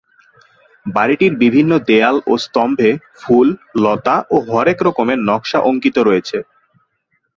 বাড়িটির বিভিন্ন দেয়াল ও স্তম্ভে ফুল, লতা ও হরেক রকমের নকশা অঙ্কিত রয়েছে।